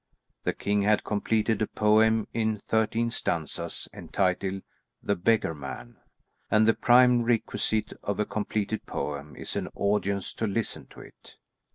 The king had completed a poem in thirteen stanzas entitled "The Beggar Man," and the prime requisite of a completed poem is an audience to listen to it.